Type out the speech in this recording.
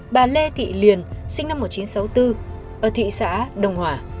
bà lê thị liền sinh năm một nghìn chín trăm sáu mươi bốn ở thị xã đồng hòa